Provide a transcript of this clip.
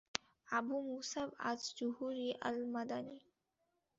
Abu Musab Az Zuhri আল-মাদানি